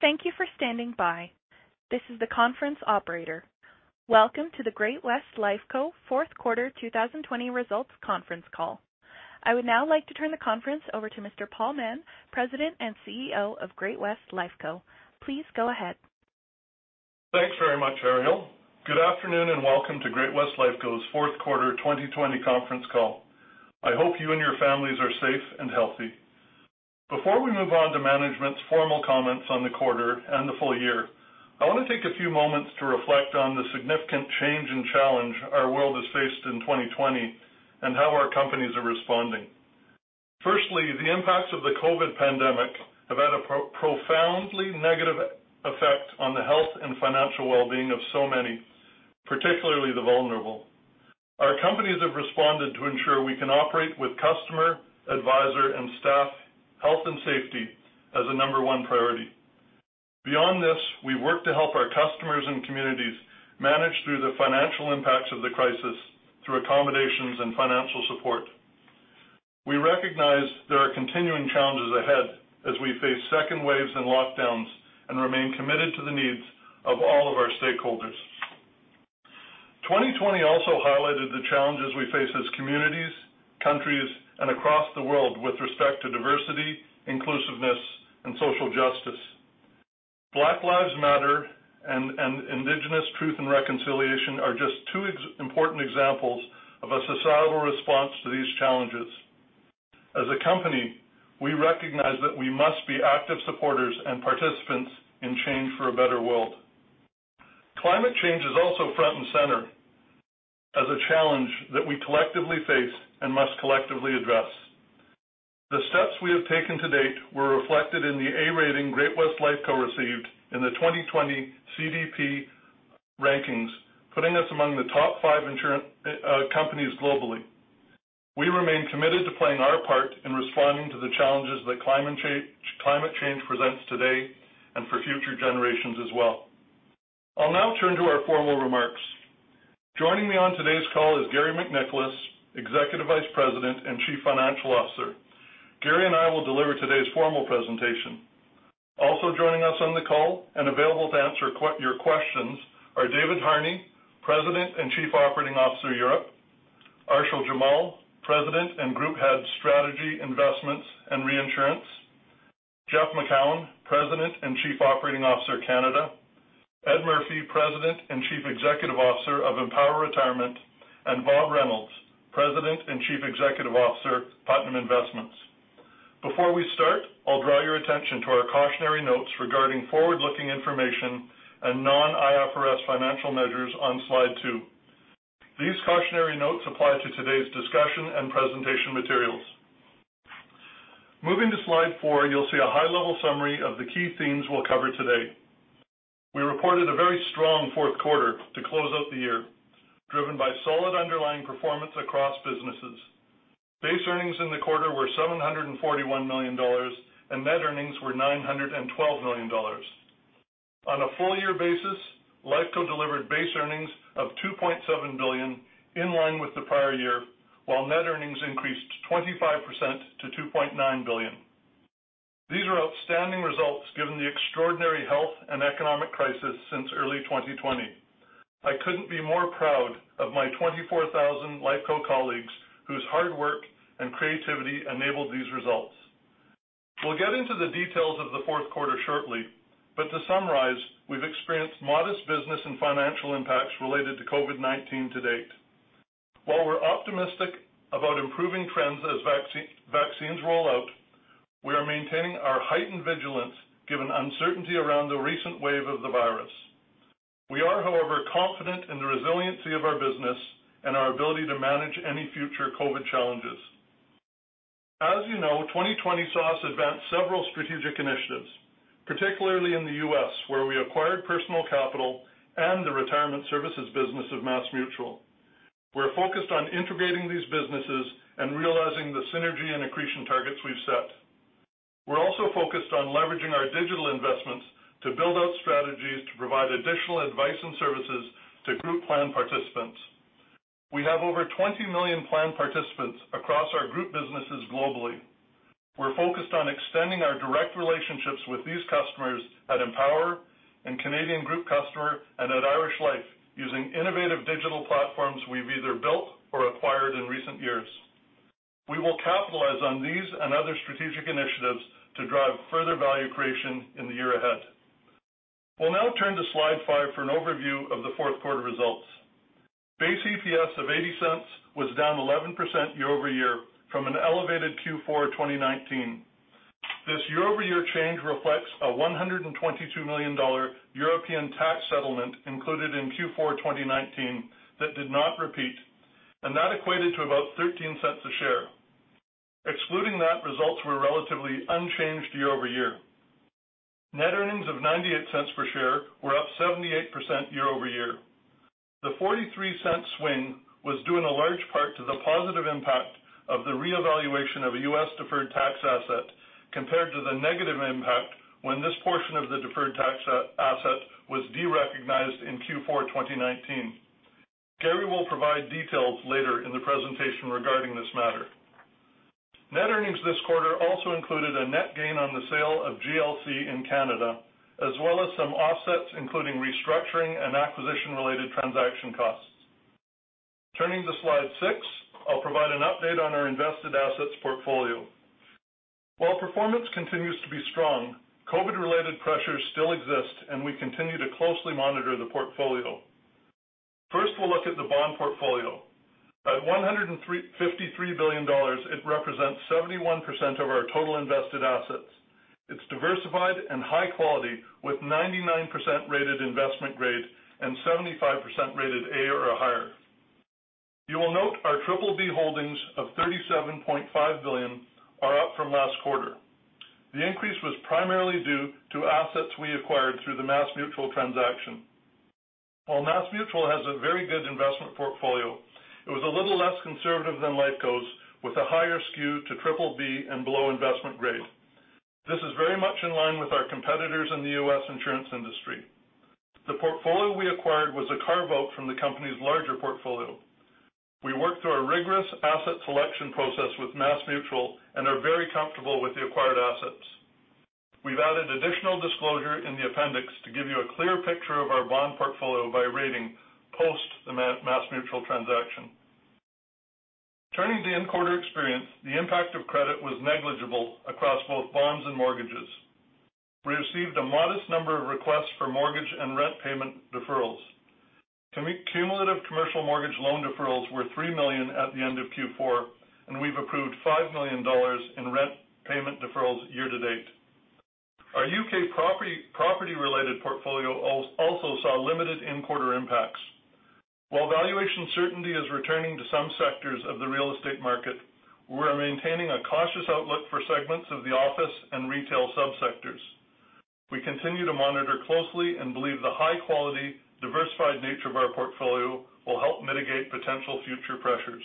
Welcome to the Great-West Lifeco fourth quarter 2020 results conference call. I would now like to turn the conference over to Mr. Paul Mahon, President and CEO of Great-West Lifeco. Please go ahead. Thanks very much, Ariel. Good afternoon and welcome to Great-West Lifeco's fourth quarter 2020 conference call. I hope you and your families are safe and healthy. Before we move on to management's formal comments on the quarter and the full year, I want to take a few moments to reflect on the significant change and challenge our world has faced in 2020 and how our companies are responding. Firstly, the impacts of the COVID pandemic have had a profoundly negative effect on the health and financial well-being of so many, particularly the vulnerable. Our companies have responded to ensure we can operate with customer, advisor, and staff health and safety as a number one priority. Beyond this, we work to help our customers and communities manage through the financial impacts of the crisis through accommodations and financial support. We recognize there are continuing challenges ahead as we face second waves and lockdowns and remain committed to the needs of all of our stakeholders. 2020 also highlighted the challenges we face as communities, countries, and across the world with respect to diversity, inclusiveness, and social justice. Black Lives Matter and Indigenous Truth and Reconciliation are just two important examples of a societal response to these challenges. As a company, we recognize that we must be active supporters and participants in change for a better world. Climate change is also front and center as a challenge that we collectively face and must collectively address. The steps we have taken to date were reflected in the A rating Great-West Lifeco received in the 2020 CDP rankings, putting us among the top five insurance companies globally. We remain committed to playing our part in responding to the challenges that climate change presents today and for future generations as well. I'll now turn to our formal remarks. Joining me on today's call is Garry MacNicholas, Executive Vice-President and Chief Financial Officer. Garry and I will deliver today's formal presentation. Also joining us on the call and available to answer your questions are David Harney, President and Chief Operating Officer, Europe; Arshil Jamal, President and Group Head, Strategy, Investments, and Reinsurance; Jeff Macoun, President and Chief Operating Officer, Canada; Ed Murphy, President and Chief Executive Officer of Empower Retirement; and Bob Reynolds, President and Chief Executive Officer, Putnam Investments. Before we start, I'll draw your attention to our cautionary notes regarding forward-looking information and non-IFRS financial measures on Slide two. These cautionary notes apply to today's discussion and presentation materials. Moving to slide four, you'll see a high-level summary of the key themes we'll cover today. We reported a very strong fourth quarter to close out the year, driven by solid underlying performance across businesses. Base earnings in the quarter were 741 million dollars, and net earnings were 912 million dollars. On a full-year basis, Lifeco delivered base earnings of 2.7 billion, in line with the prior year, while net earnings increased 25% to 2.9 billion. These are outstanding results given the extraordinary health and economic crisis since early 2020. I couldn't be more proud of my 24,000 Lifeco colleagues whose hard work and creativity enabled these results. We'll get into the details of the fourth quarter shortly. To summarize, we've experienced modest business and financial impacts related to COVID-19 to date. While we're optimistic about improving trends as vaccines roll out, we are maintaining our heightened vigilance given uncertainty around the recent wave of the virus. We are, however, confident in the resiliency of our business and our ability to manage any future COVID challenges. As you know, 2020 saw us advance several strategic initiatives, particularly in the U.S., where we acquired Personal Capital and the retirement services business of MassMutual. We're focused on integrating these businesses and realizing the synergy and accretion targets we've set. We're also focused on leveraging our digital investments to build out strategies to provide additional advice and services to group plan participants. We have over 20 million plan participants across our group businesses globally. We're focused on extending our direct relationships with these customers at Empower, in Canadian Group Customer, and at Irish Life using innovative digital platforms we've either built or acquired in recent years. We will capitalize on these and other strategic initiatives to drive further value creation in the year ahead. We'll now turn to slide five for an overview of the fourth quarter results. Base EPS of 0.80 was down 11% year-over-year from an elevated Q4 2019. This year-over-year change reflects a 122 million dollar European tax settlement included in Q4 2019 that did not repeat, and that equated to about 0.13 a share. Excluding that, results were relatively unchanged year-over-year. Net earnings of 0.98 per share were up 78% year-over-year. The 0.43 swing was due in large part to the positive impact of the reevaluation of a U.S. deferred tax asset, compared to the negative impact when this portion of sized in Q4 2019. Garry will provide details later in the presentation regarding this matter. Net earnings this quarter also included a net gain on the sale of GLC in Canada, as well as some offsets, including restructuring and acquisition-related transaction costs. Turning to slide six, I'll provide an update on our invested assets portfolio. While performance continues to be strong, COVID-related pressures still exist, and we continue to closely monitor the portfolio. First, we'll look at the bond portfolio. At 153 billion dollars, it represents 71% of our total invested assets. It's diversified and high quality, with 99% rated investment grade and 75% rated A or higher. You will note our BBB holdings of CAD 37.5 billion are up from last quarter. The increase was primarily due to assets we acquired through the MassMutual transaction. While MassMutual has a very good investment portfolio, it was a little less conservative than Lifeco's, with a higher skew to BBB and below investment grade. This is very much in line with our competitors in the U.S. insurance industry. The portfolio we acquired was a carve-out from the company's larger portfolio. We worked through a rigorous asset selection process with MassMutual and are very comfortable with the acquired assets. We've added additional disclosure in the appendix to give you a clear picture of our bond portfolio by rating post the MassMutual transaction. Turning to in-quarter experience, the impact of credit was negligible across both bonds and mortgages. We received a modest number of requests for mortgage and rent payment deferrals. Cumulative commercial mortgage loan deferrals were 3 million at the end of Q4, and we've approved 5 million dollars in rent payment deferrals year to date. Our U.K. property-related portfolio also saw limited in-quarter impacts. While valuation certainty is returning to some sectors of the real estate market, we are maintaining a cautious outlook for segments of the office and retail sub-sectors. We continue to monitor closely and believe the high-quality, diversified nature of our portfolio will help mitigate potential future pressures.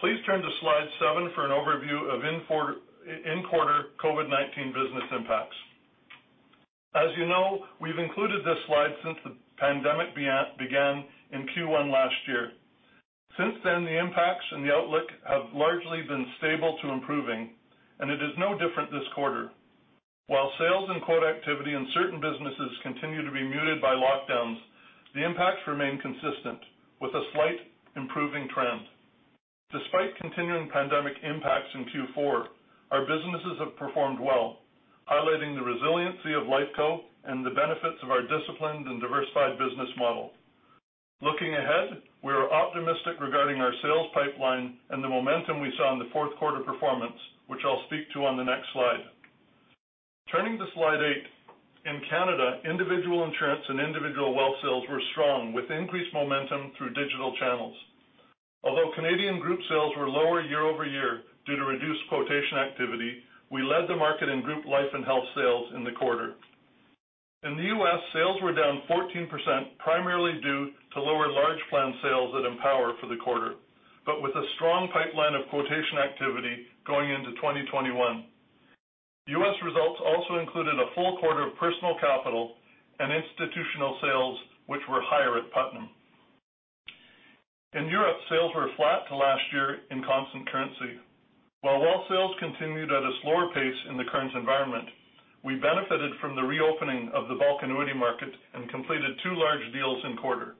Please turn to slide seven for an overview of in-quarter COVID-19 business impacts. As you know, we've included this slide since the pandemic began in Q1 last year. Since then, the impacts and the outlook have largely been stable to improving, and it is no different this quarter. While sales and quote activity in certain businesses continue to be muted by lockdowns, the impacts remain consistent, with a slight improving trend. Despite continuing pandemic impacts in Q4, our businesses have performed well, highlighting the resiliency of Lifeco and the benefits of our disciplined and diversified business model. Looking ahead, we are optimistic regarding our sales pipeline and the momentum we saw in the fourth quarter performance, which I'll speak to on the next slide. Turning to slide eight, in Canada, individual insurance and individual wealth sales were strong, with increased momentum through digital channels. Although Canadian group sales were lower year-over-year due to reduced quotation activity, we led the market in group life and health sales in the quarter. In the U.S., sales were down 14%, primarily due to lower large plan sales at Empower for the quarter, but with a strong pipeline of quotation activity going into 2021. U.S. results also included a full quarter of Personal Capital and institutional sales, which were higher at Putnam. In Europe, sales were flat to last year in constant currency. While wealth sales continued at a slower pace in the current environment, we benefited from the reopening of the bulk annuity market and completed two large deals in quarter.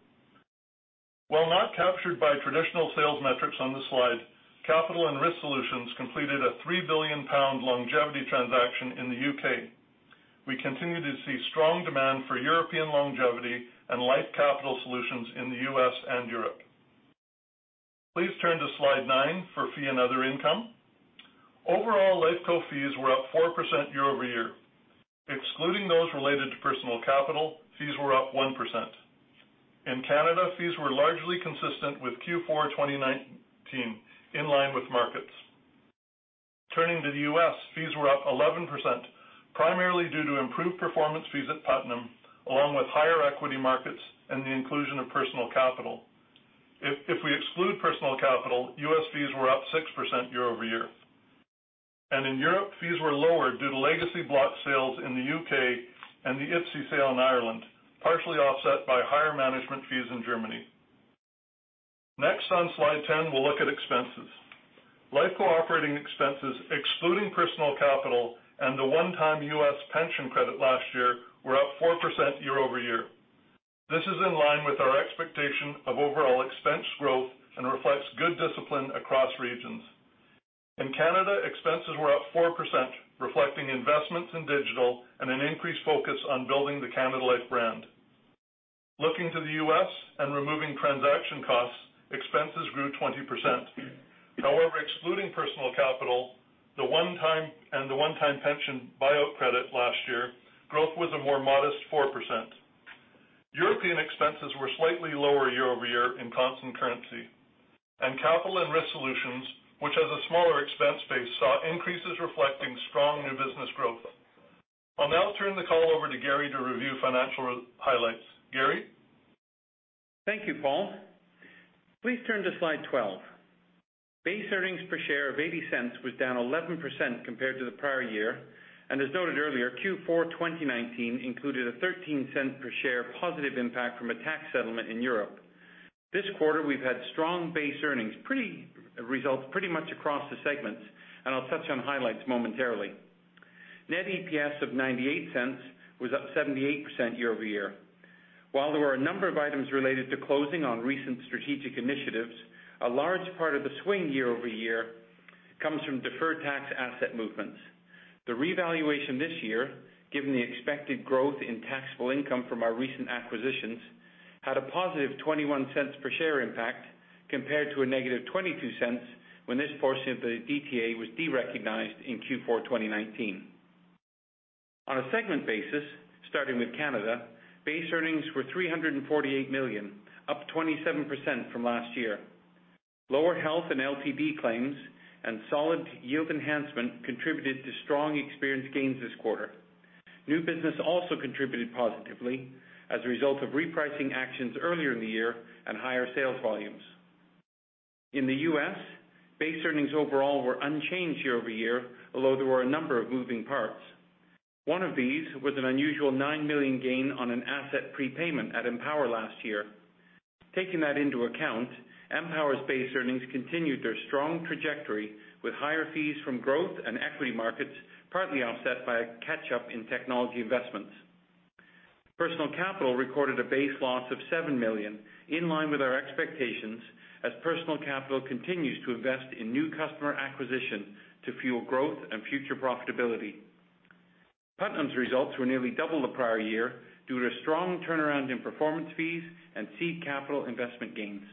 While not captured by traditional sales metrics on the slide, Capital and Risk Solutions completed a 3 billion pound longevity transaction in the U.K. We continue to see strong demand for European longevity and life capital solutions in the U.S. and Europe. Please turn to slide nine for fee and other income. Overall, Lifeco fees were up 4% year-over-year. Excluding those related to Personal Capital, fees were up 1%. In Canada, fees were largely consistent with Q4 2019, in line with markets. Turning to the U.S., fees were up 11%, primarily due to improved performance fees at Putnam, along with higher equity markets and the inclusion of Personal Capital. If we exclude Personal Capital, U.S. fees were up 6% year-over-year. In Europe, fees were lower due to legacy block sales in the U.K. and the IPS sale in Ireland, partially offset by higher management fees in Germany. Next, on slide 10, we'll look at expenses. Lifeco operating expenses, excluding Personal Capital and the one-time U.S. pension credit last year, were up 4% year-over-year. This is in line with our expectation of overall expense growth and reflects good discipline across regions. In Canada, expenses were up 4%, reflecting investments in digital and an increased focus on building the Canada Life brand. Looking to the U.S. and removing transaction costs, expenses grew 20%. However, excluding Personal Capital and the one-time pension buyout credit last year, growth was a more modest 4%. European expenses were slightly lower year-over-year in constant currency, and Capital and Risk Solutions, which has a smaller expense base, saw increases reflecting strong new business growth. I'll now turn the call over to Garry to review financial highlights. Garry? Thank you, Paul. Please turn to slide 12. Base earnings per share of 0.80 was down 11% compared to the prior year. As noted earlier, Q4 2019 included a 0.13 per share positive impact from a tax settlement in Europe. This quarter, we've had strong base earnings results pretty much across the segments. I'll touch on highlights momentarily. Net EPS of 0.98 was up 78% year-over-year. While there were a number of items related to closing on recent strategic initiatives, a large part of the swing year-over-year comes from deferred tax asset movements. The revaluation this year, given the expected growth in taxable income from our recent acquisitions, had a positive 0.21 per share impact compared to a negative 0.22 when this portion of the DTA was derecognized in Q4 2019. On a segment basis, starting with Canada, base earnings were 348 million, up 27% from last year. Lower health and LTD claims and solid yield enhancement contributed to strong experience gains this quarter. New business also contributed positively as a result of repricing actions earlier in the year and higher sales volumes. In the US, base earnings overall were unchanged year-over-year, although there were a number of moving parts. One of these was an unusual 9 million gain on an asset prepayment at Empower last year. Taking that into account, Empower's base earnings continued their strong trajectory with higher fees from growth and equity markets, partly offset by a catch-up in technology investments. Personal Capital recorded a base loss of 7 million, in line with our expectations, as Personal Capital continues to invest in new customer acquisition to fuel growth and future profitability. Putnam's results were nearly double the prior year due to strong turnaround in performance fees and seed capital investment gains.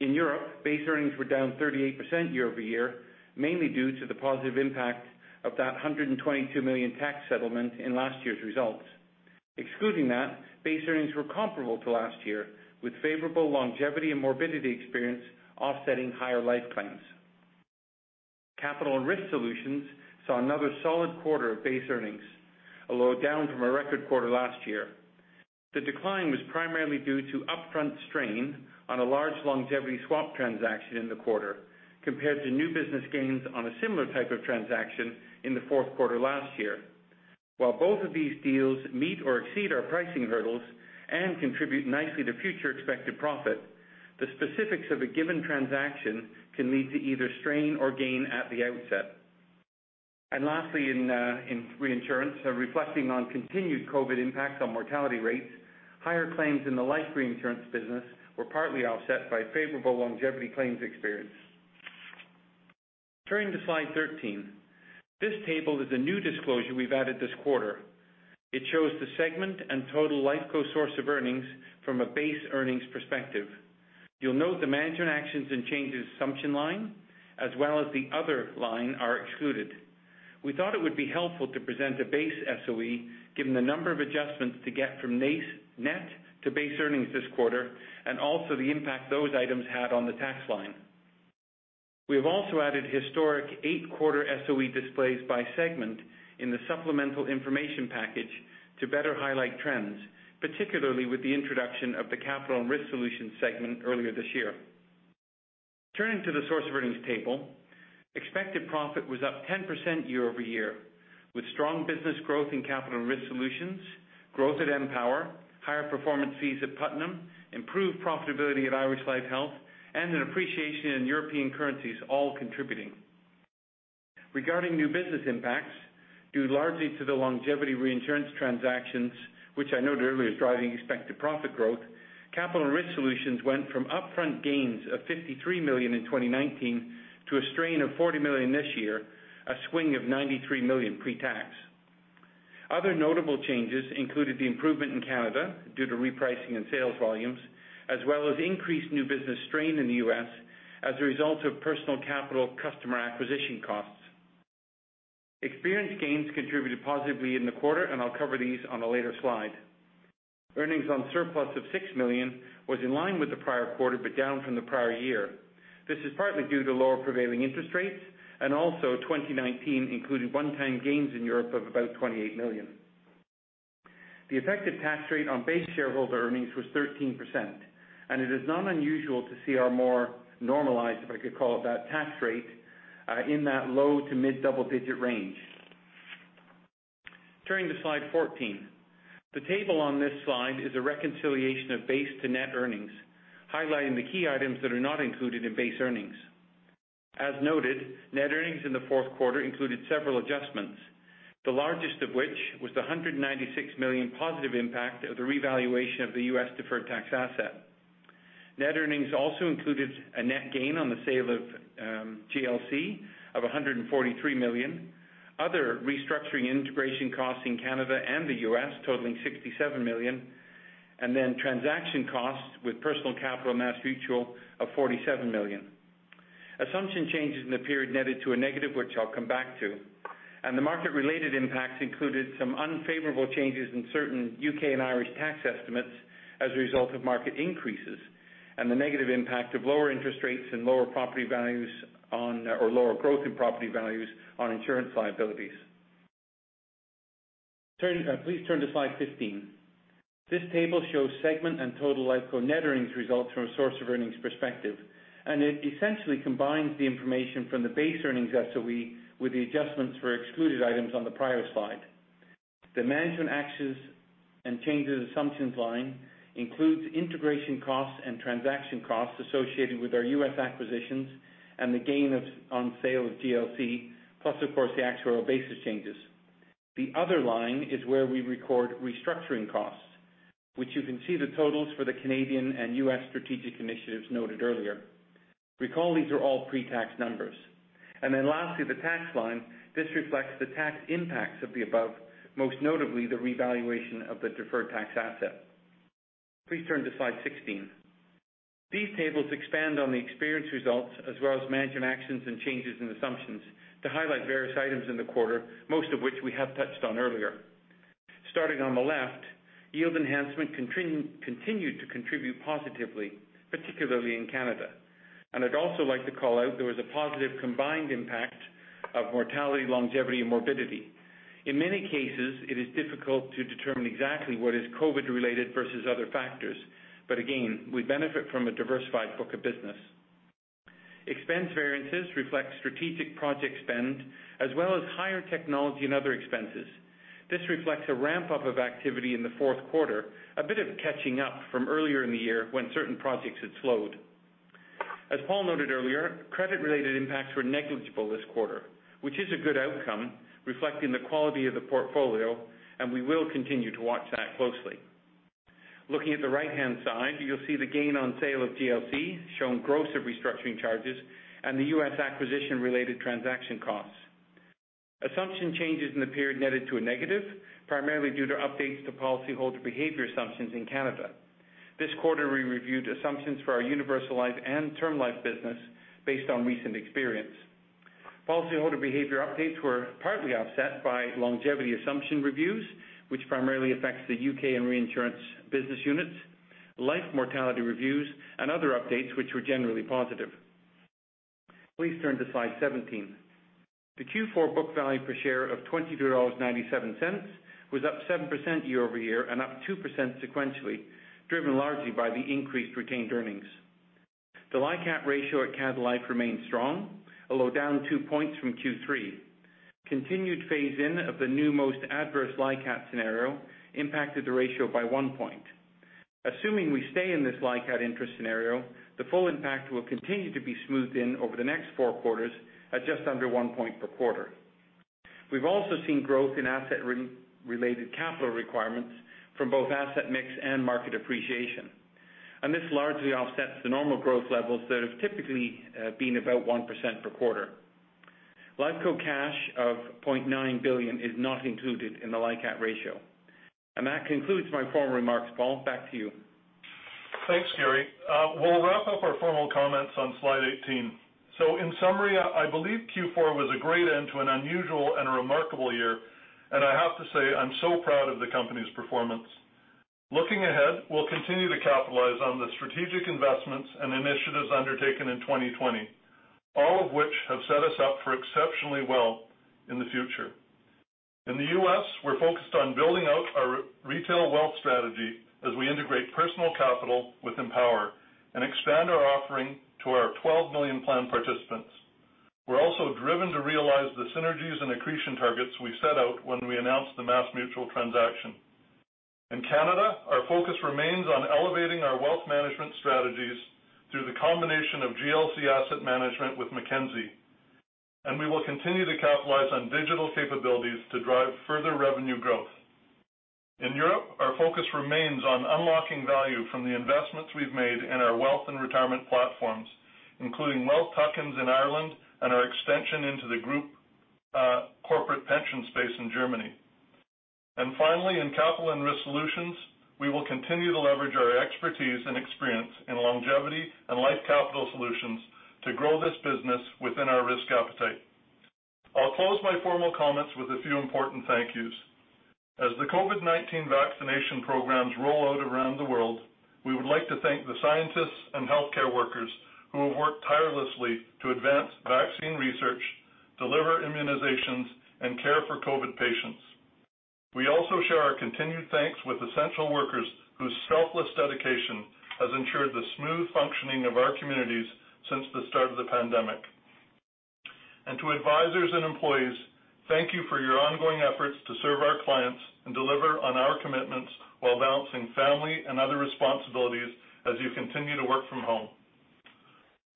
In Europe, base earnings were down 38% year-over-year, mainly due to the positive impact of that 122 million tax settlement in last year's results. Excluding that, base earnings were comparable to last year, with favorable longevity and morbidity experience offsetting higher life claims. Capital and Risk Solutions saw another solid quarter of base earnings, although down from a record quarter last year. The decline was primarily due to upfront strain on a large longevity swap transaction in the quarter, compared to new business gains on a similar type of transaction in the fourth quarter last year. While both of these deals meet or exceed our pricing hurdles and contribute nicely to future expected profit, the specifics of a given transaction can lead to either strain or gain at the outset. Lastly, in reinsurance, reflecting on continued COVID impacts on mortality rates, higher claims in the life reinsurance business were partly offset by favorable longevity claims experience. Turning to slide 13. This table is a new disclosure we've added this quarter. It shows the segment and total Lifeco source of earnings from a base earnings perspective. You'll note the management actions and changes assumption line, as well as the other line are excluded. We thought it would be helpful to present a base SOE, given the number of adjustments to get from net to base earnings this quarter, and also the impact those items had on the tax line. We have also added historic 8-quarter SOE displays by segment in the supplemental information package to better highlight trends, particularly with the introduction of the Capital and Risk Solutions segment earlier this year. Turning to the source of earnings table. Expected profit was up 10% year-over-year, with strong business growth in Capital and Risk Solutions, growth at Empower, higher performance fees at Putnam, improved profitability at Irish Life Health, and an appreciation in European currencies all contributing. Regarding new business impacts, due largely to the longevity reinsurance transactions, which I noted earlier as driving expected profit growth, Capital and Risk Solutions went from upfront gains of 53 million in 2019 to a strain of 40 million this year, a swing of 93 million pre-tax. Other notable changes included the improvement in Canada due to repricing and sales volumes, as well as increased new business strain in the U.S. as a result of Personal Capital customer acquisition costs. Experience gains contributed positively in the quarter, and I'll cover these on a later slide. Earnings on surplus of 6 million was in line with the prior quarter but down from the prior year. This is partly due to lower prevailing interest rates, and also 2019 included one-time gains in Europe of about 28 million. The effective tax rate on base shareholder earnings was 13%, and it is not unusual to see our more normalized, if I could call it that, tax rate, in that low to mid double-digit range. Turning to slide 14. The table on this slide is a reconciliation of base to net earnings, highlighting the key items that are not included in base earnings. As noted, net earnings in the fourth quarter included several adjustments, the largest of which was the 196 million positive impact of the revaluation of the U.S. deferred tax asset. Net earnings also included a net gain on the sale of GLC of CAD 143 million, other restructuring integration costs in Canada and the U.S. totaling CAD 67 million, transaction costs with Personal Capital and MassMutual of CAD 47 million. Assumption changes in the period netted to a negative, which I'll come back to. The market-related impacts included some unfavorable changes in certain U.K. and Irish tax estimates as a result of market increases and the negative impact of lower interest rates and lower growth in property values on insurance liabilities. Please turn to slide 15. This table shows segment and total Lifeco net earnings results from a source of earnings perspective. It essentially combines the information from the base earnings SOE with the adjustments for excluded items on the prior slide. The management actions and changes assumptions line includes integration costs and transaction costs associated with our U.S. acquisitions and the gain on sale of GLC, plus, of course, the actuarial basis changes. The other line is where we record restructuring costs, which you can see the totals for the Canadian and U.S. strategic initiatives noted earlier. Recall, these are all pre-tax numbers. Lastly, the tax line. This reflects the tax impacts of the above, most notably the revaluation of the deferred tax asset. Please turn to slide 16. These tables expand on the experience results as well as management actions and changes in assumptions to highlight various items in the quarter, most of which we have touched on earlier. Starting on the left, yield enhancement continued to contribute positively, particularly in Canada. I'd also like to call out there was a positive combined impact of mortality, longevity, and morbidity. In many cases, it is difficult to determine exactly what is COVID related versus other factors. Again, we benefit from a diversified book of business. Expense variances reflect strategic project spend as well as higher technology and other expenses. This reflects a ramp-up of activity in the fourth quarter, a bit of catching up from earlier in the year when certain projects had slowed. As Paul noted earlier, credit related impacts were negligible this quarter, which is a good outcome reflecting the quality of the portfolio, and we will continue to watch that closely. Looking at the right-hand side, you'll see the gain on sale of GLC showing gross of restructuring charges and the U.S. acquisition related transaction costs. Assumption changes in the period netted to a negative, primarily due to updates to policyholder behavior assumptions in Canada. This quarter, we reviewed assumptions for our universal life and term life business based on recent experience. Policyholder behavior updates were partly offset by longevity assumption reviews, which primarily affects the U.K. and reinsurance business units, life mortality reviews, and other updates, which were generally positive. Please turn to slide 17. The Q4 book value per share of 22.97 dollars was up 7% year-over-year and up 2% sequentially, driven largely by the increased retained earnings. The LICAT ratio at Canada Life remains strong, although down two points from Q3. Continued phase-in of the new most adverse LICAT scenario impacted the ratio by one point. Assuming we stay in this LICAT interest scenario, the full impact will continue to be smoothed in over the next four quarters at just under one point per quarter. This largely offsets the normal growth levels that have typically been about 1% per quarter. Lifeco cash of 0.9 billion is not included in the LICAT ratio. That concludes my formal remarks. Paul, back to you. Thanks, Garry. We'll wrap up our formal comments on slide 18. In summary, I believe Q4 was a great end to an unusual and remarkable year, and I have to say, I'm so proud of the company's performance. Looking ahead, we'll continue to capitalize on the strategic investments and initiatives undertaken in 2020, all of which have set us up exceptionally well in the future. In the U.S., we're focused on building out our retail wealth strategy as we integrate Personal Capital with Empower and expand our offering to our 12 million plan participants. We're also driven to realize the synergies and accretion targets we set out when we announced the MassMutual transaction. In Canada, our focus remains on elevating our wealth management strategies through the combination of GLC Asset Management with Mackenzie, and we will continue to capitalize on digital capabilities to drive further revenue growth. In Europe, our focus remains on unlocking value from the investments we've made in our wealth and retirement platforms, including wealth tuck-ins in Ireland and our extension into the group corporate pension space in Germany. Finally, in Capital and Risk Solutions, we will continue to leverage our expertise and experience in longevity and life capital solutions to grow this business within our risk appetite. I'll close my formal comments with a few important thank yous. As the COVID-19 vaccination programs roll out around the world, we would like to thank the scientists and healthcare workers who have worked tirelessly to advance vaccine research, deliver immunizations, and care for COVID patients. We also share our continued thanks with essential workers whose selfless dedication has ensured the smooth functioning of our communities since the start of the pandemic. To advisors and employees, thank you for your ongoing efforts to serve our clients and deliver on our commitments while balancing family and other responsibilities as you continue to work from home.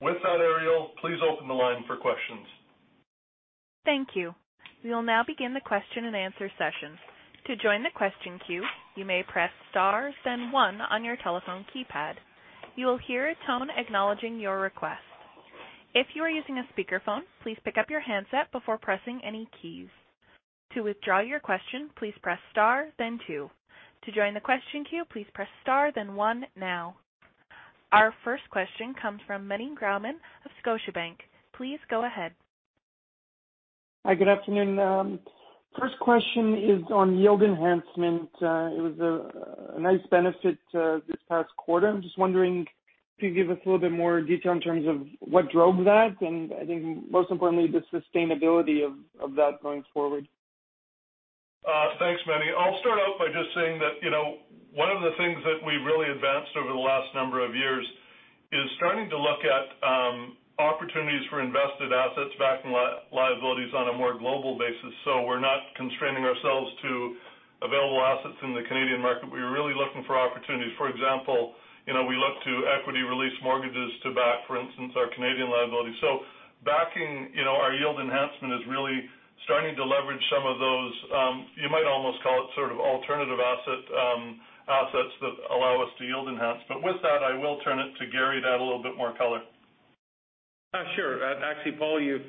With that, Ariel, please open the line for questions. Thank you. We will now begin the question and answer session. To join the question queue, you may press star then one on your telephone keypad. You will hear a tone acknowledging your request. If you are using a speakerphone, please pick up your handset before pressing any keys. To withdraw your question, please press star then two. To join the question queue, please press star then one now. Our first question comes from Meny Grauman of Scotiabank. Please go ahead. Hi, good afternoon. First question is on yield enhancement. It was a nice benefit this past quarter. I'm just wondering can you give us a little bit more detail in terms of what drove that, and I think most importantly, the sustainability of that going forward? Thanks, Meny. I'll start out by just saying that one of the things that we've really advanced over the last number of years is starting to look at opportunities for invested assets backing liabilities on a more global basis. We're not constraining ourselves to available assets in the Canadian market. We're really looking for opportunities. For example, we look to equity release mortgages to back, for instance, our Canadian liability. Backing our yield enhancement is really starting to leverage some of those, you might almost call it sort of alternative assets that allow us to yield enhance. With that, I will turn it to Garry to add a little bit more color. Sure. Actually, Paul, you've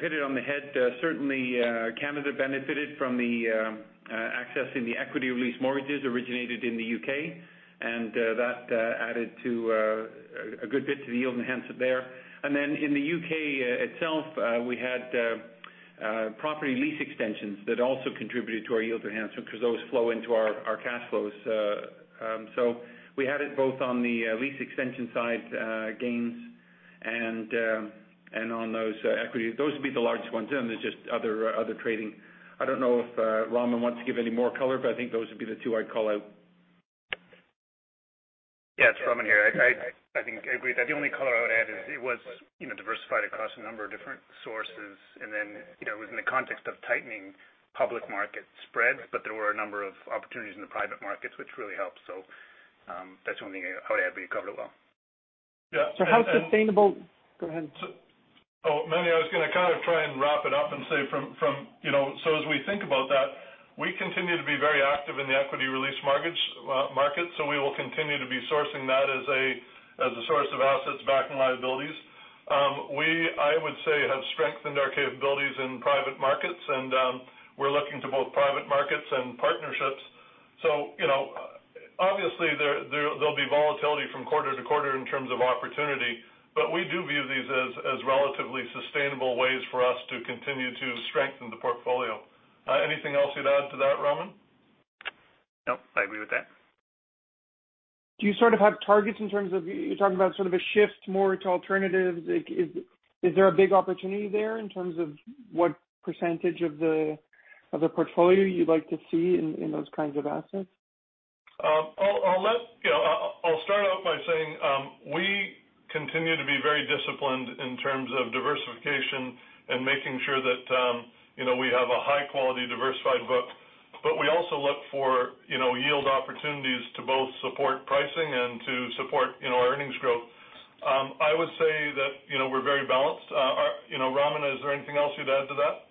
hit it on the head. Certainly Canada benefited from the access in the equity release mortgages originated in the U.K., and that added a good bit to the yield enhancer there. In the U.K. itself, we had property lease extensions that also contributed to our yield enhancement because those flow into our cash flows. We had it both on the lease extension side gains and on those equities. Those would be the large ones. There's just other trading. I don't know if Raman wants to give any more color, but I think those would be the two I'd call out. Yeah, it's Raman here. I think I agree. The only color I would add is it was diversified across a number of different sources, and then within the context of tightening public market spreads, but there were a number of opportunities in the private markets which really helped. That's the only thing I would add, but you covered it well. Yeah. Go ahead. Oh, Meny, I was going to kind of try and wrap it up. As we think about that, we continue to be very active in the equity release market. We will continue to be sourcing that as a source of assets backing liabilities. We, I would say, have strengthened our capabilities in private markets and we're looking to both private markets and partnerships. Obviously, there'll be volatility from quarter to quarter in terms of opportunity, but we do view these as relatively sustainable ways for us to continue to strengthen the portfolio. Anything else you'd add to that, Raman? No, I agree with that. Do you have targets in terms of, you're talking about sort of a shift more to alternatives? Is there a big opportunity there in terms of what percentage of the portfolio you'd like to see in those kinds of assets? I'll start out by saying we continue to be very disciplined in terms of diversification and making sure that we have a high-quality diversified book, but we also look for yield opportunities to both support pricing and to support our earnings growth. I would say that we're very balanced. Raman, is there anything else you'd add to that?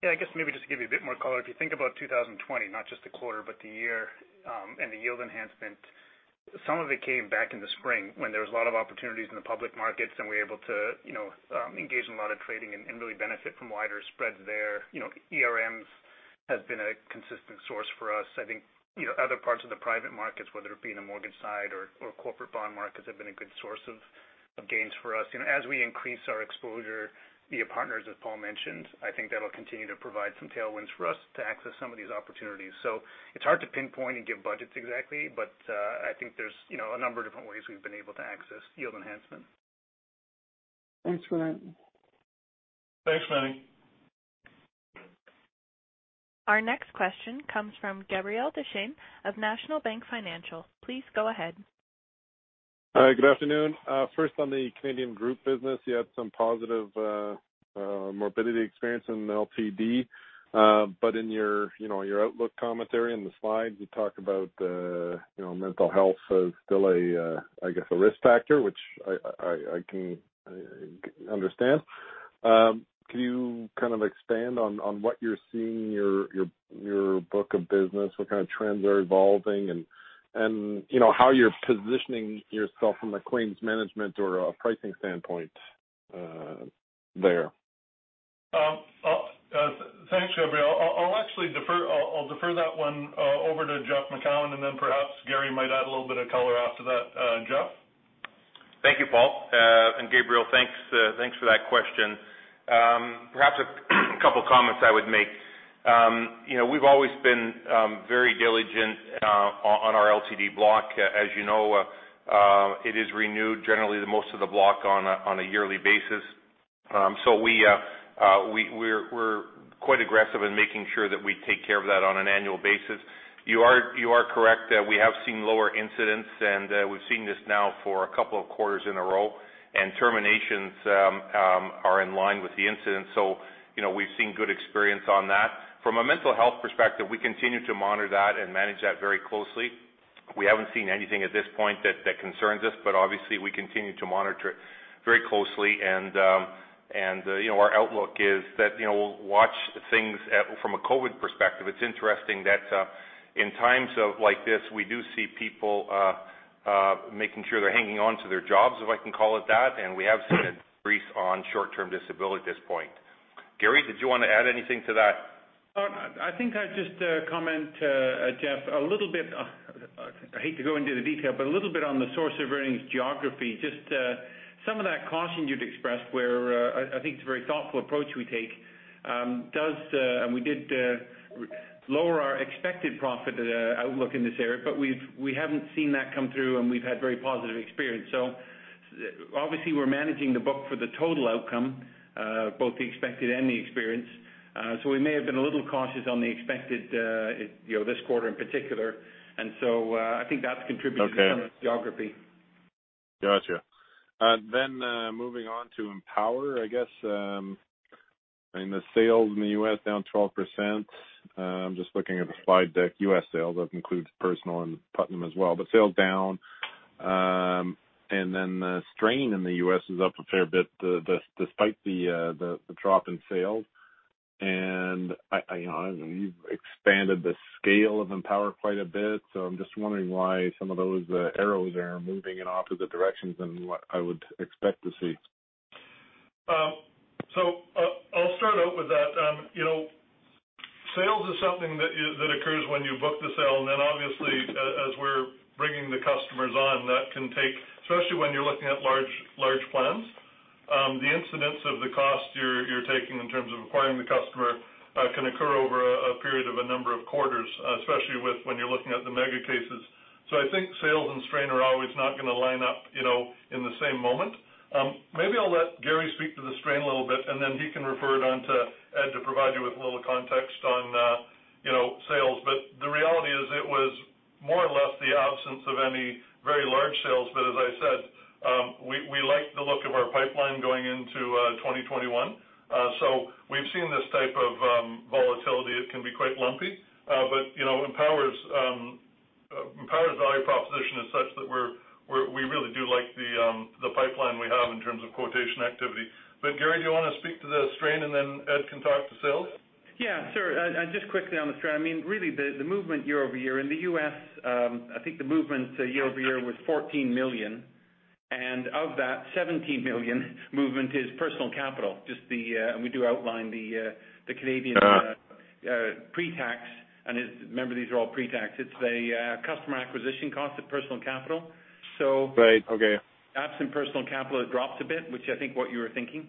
Yeah, I guess maybe just to give you a bit more color. If you think about 2020, not just the quarter, but the year, and the yield enhancement, some of it came back in the spring when there was a lot of opportunities in the public markets and we were able to engage in a lot of trading and really benefit from wider spreads there. ERM have been a consistent source for us. I think other parts of the private markets, whether it be in the mortgage side or corporate bond markets, have been a good source of gains for us. As we increase our exposure via partners, as Paul mentioned, I think that'll continue to provide some tailwinds for us to access some of these opportunities. It's hard to pinpoint and give budgets exactly, but I think there's a number of different ways we've been able to access yield enhancement. Thanks, Raman. Thanks, Meny. Our next question comes from Gabriel Dechaine of National Bank Financial. Please go ahead. Hi, good afternoon. First, on the Canadian Group business, you had some positive morbidity experience in LTD. In your outlook commentary in the slide, you talked about mental health as still, I guess, a risk factor, which I can understand. Can you kind of expand on what you're seeing in your book of business? What kind of trends are evolving and how you're positioning yourself from a claims management or a pricing standpoint there? Thanks, Gabriel. I'll defer that one over to Jeff Macoun, and then perhaps Garry might add a little bit of color after that. Jeff? Thank you, Paul. Gabriel, thanks for that question. Perhaps a couple of comments I would make. We've always been very diligent on our LTD block. As you know, it is renewed generally most of the block on a yearly basis. We're quite aggressive in making sure that we take care of that on an annual basis. You are correct, we have seen lower incidents, and we've seen this now for a couple of quarters in a row, and terminations are in line with the incidents. We've seen good experience on that. From a mental health perspective, we continue to monitor that and manage that very closely. We haven't seen anything at this point that concerns us, but obviously we continue to monitor it very closely and our outlook is that we'll watch things from a COVID perspective. It's interesting that in times like this, we do see people making sure they're hanging on to their jobs, if I can call it that, and we have seen an increase on short-term disability at this point. Garry, did you want to add anything to that? I think I'd just comment, Jeff, a little bit, I hate to go into the detail, but a little bit on the source of earnings geography. Just some of that caution you'd expressed where I think it's a very thoughtful approach we take. We did lower our expected profit outlook in this area, but we haven't seen that come through, and we've had very positive experience. Obviously we're managing the book for the total outcome, both the expected and the experience. We may have been a little cautious on the expected this quarter in particular. I think that's contributed. Okay to some of this geography. Got you. Moving on to Empower, I guess. The sales in the U.S. down 12%. I'm just looking at the slide deck, U.S. sales. That includes Personal and Putnam as well. Sales down. The strain in the U.S. is up a fair bit, despite the drop in sales. You've expanded the scale of Empower quite a bit. I'm just wondering why some of those arrows are moving in opposite directions than what I would expect to see. I'll start out with that. Sales is something that occurs when you book the sale. Then obviously, as we're bringing the customers on, that can take, especially when you're looking at large plans, the incidence of the cost you're taking in terms of acquiring the customer can occur over a period of a number of quarters, especially when you're looking at the mega cases. I think sales and strain are always not going to line up in the same moment. Maybe I'll let Garry speak to the strain a little bit, and then he can refer it on to Ed to provide you with a little context on sales. The reality is, it was more or less the absence of any very large sales. As I said, we like the look of our pipeline going into 2021. We've seen this type of volatility. It can be quite lumpy. Empower's value proposition is such that we really do like the pipeline we have in terms of quotation activity. Garry, do you want to speak to the strain, and then Ed can talk to sales? Yeah, sure. Just quickly on the strain. Really, the movement year-over-year in the U.S., I think the movement year-over-year was 14 million. Of that, 17 million movement is Personal Capital. We do outline the Canadian pre-tax, and remember, these are all pre-tax. It's a customer acquisition cost of Personal Capital. Right. Okay. absent Personal Capital, it drops a bit, which I think what you were thinking.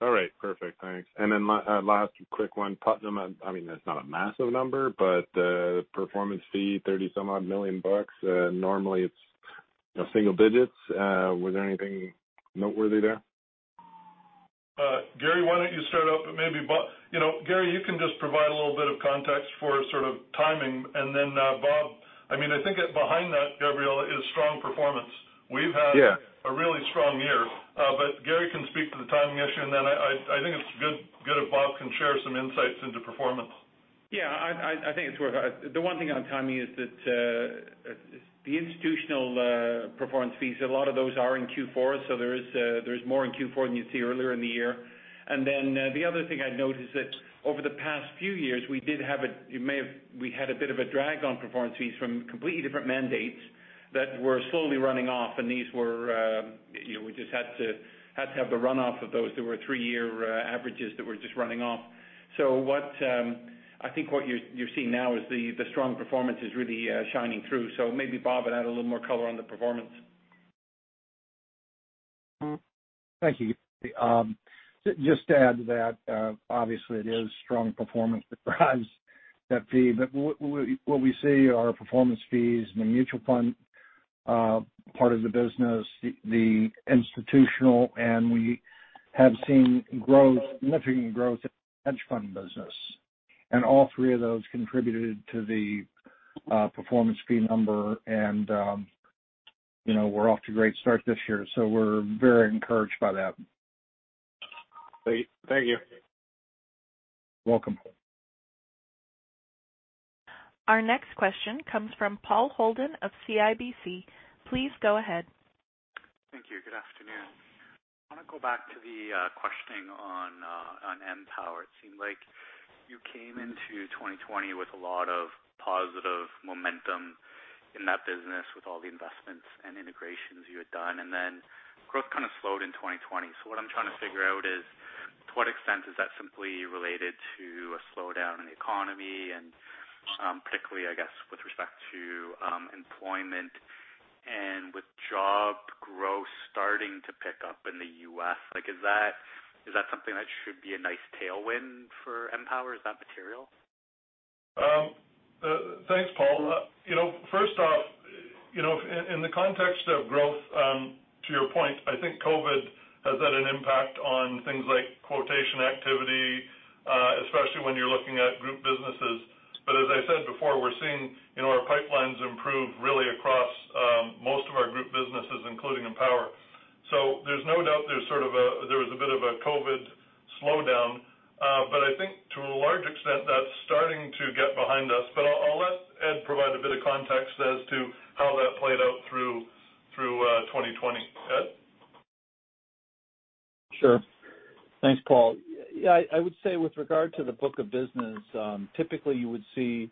All right, perfect. Thanks. Then last quick one. Putnam, it's not a massive number, but the performance fee, 30 some odd million. Normally it's single digits. Was there anything noteworthy there? Garry, why don't you start out? Garry, you can just provide a little bit of context for sort of timing, then Bob. I think behind that, Gabriel, is strong performance. Yeah a really strong year. Garry can speak to the timing issue. I think it's good if Bob can share some insights into performance. Yeah, I think it's worth it. The one thing on timing is that the institutional performance fees, a lot of those are in Q4, so there's more in Q4 than you see earlier in the year. The other thing I'd note is that over the past few years, we had a bit of a drag on performance fees from completely different mandates that were slowly running off, and we just had to have the runoff of those that were three-year averages that were just running off. I think what you're seeing now is the strong performance is really shining through. Maybe Bob would add a little more color on the performance. Thank you. Just to add to that, obviously it is strong performance that drives that fee. What we see are performance fees in the mutual fund part of the business, the institutional, and we have seen significant growth in the hedge fund business. All three of those contributed to the performance fee number. We're off to a great start this year, so we're very encouraged by that. Great. Thank you. Welcome. Our next question comes from Paul Holden of CIBC. Please go ahead. Thank you. Good afternoon. I want to go back to the questioning on Empower. It seemed like you came into 2020 with a lot of positive momentum in that business with all the investments and integrations you had done, and then growth kind of slowed in 2020. What I'm trying to figure out is, to what extent is that simply related to a slowdown in the economy, and particularly, I guess, with respect to employment and with job growth starting to pick up in the U.S. Is that something that should be a nice tailwind for Empower? Is that material? Thanks, Paul. First off, in the context of growth, to your point, I think COVID has had an impact on things like quotation activity, especially when you're looking at group businesses. As I said before, we're seeing our pipelines improve really across most of our group businesses, including Empower. There's no doubt there was a bit of a COVID slowdown. I think to a large extent, that's starting to get behind us. I'll let Ed provide a bit of context as to how that played out through 2020. Ed? Sure. Thanks, Paul. Yeah, I would say with regard to the book of business, typically you would see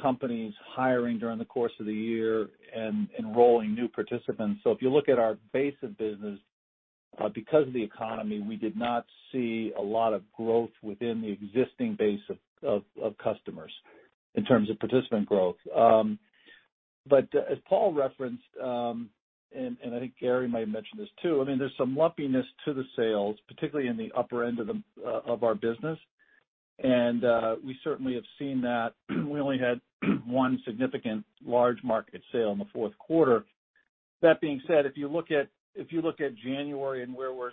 companies hiring during the course of the year and enrolling new participants. If you look at our base of business, because of the economy, we did not see a lot of growth within the existing base of customers in terms of participant growth. But as Paul referenced, and I think Garry might have mentioned this too, there's some lumpiness to the sales, particularly in the upper end of our business. We certainly have seen that. We only had one significant large market sale in the fourth quarter. That being said, if you look at January and where we're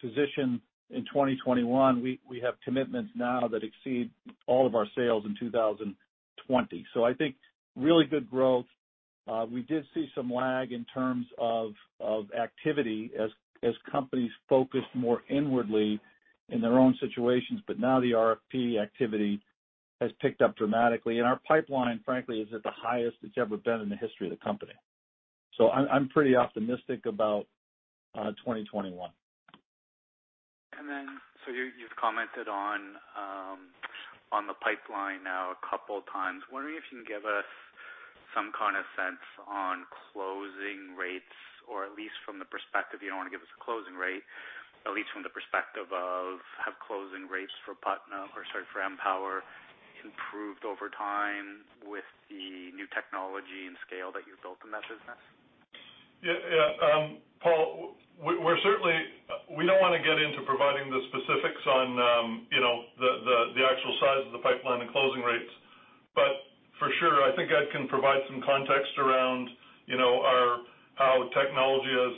positioned in 2021, we have commitments now that exceed all of our sales in 2020. I think really good growth. We did see some lag in terms of activity as companies focused more inwardly in their own situations. Now the RFP activity has picked up dramatically, and our pipeline, frankly, is at the highest it's ever been in the history of the company. I'm pretty optimistic about 2021. You've commented on the pipeline now a couple times. Wondering if you can give us some kind of sense on closing rates, or if you don't want to give us a closing rate, at least from the perspective of have closing rates for Empower improved over time with the new technology and scale that you've built in that business? Yeah. Paul, we don't want to get into providing the specifics on the actual size of the pipeline and closing rates. For sure, I think Ed can provide some context around how technology has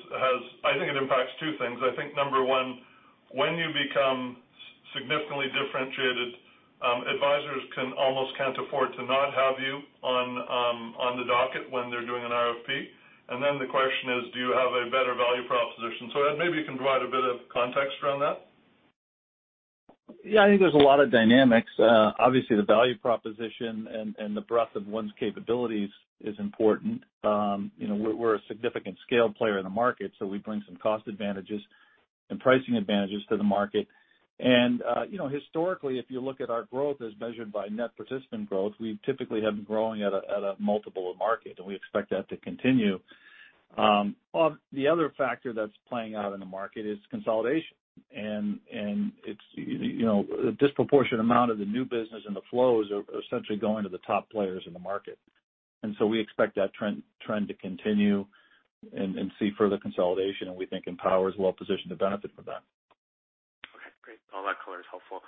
I think it impacts two things. I think number one, when you become significantly differentiated, advisors almost can't afford to not have you on the docket when they're doing an RFP. The question is, do you have a better value proposition? Ed, maybe you can provide a bit of context around that. Yeah, I think there's a lot of dynamics. Obviously, the value proposition and the breadth of one's capabilities is important. We're a significant scale player in the market, so we bring some cost advantages and pricing advantages to the market. Historically, if you look at our growth as measured by net persistent growth, we typically have been growing at a multiple of market, and we expect that to continue. The other factor that's playing out in the market is consolidation, and a disproportionate amount of the new business and the flows are essentially going to the top players in the market. We expect that trend to continue and see further consolidation, and we think Empower is well positioned to benefit from that. Okay, great. All that color is helpful.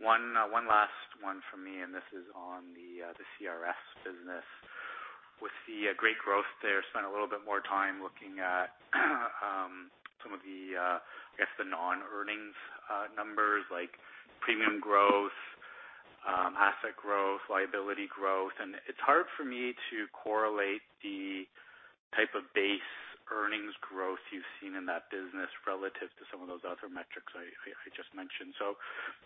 One last one from me, and this is on the CRS business. With the great growth there, spent a little bit more time looking at some of the, I guess, the non-earnings numbers like premium growth, asset growth, liability growth, and it's hard for me to correlate the type of base earnings growth you've seen in that business relative to some of those other metrics I just mentioned.